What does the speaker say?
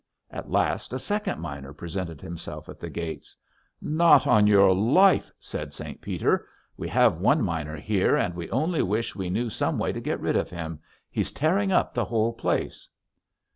At last a second miner presented himself at the gates. "Not on your life," said St. Peter. "We have one miner here and we only wish we knew some way to get rid of him. He's tearing up the whole place."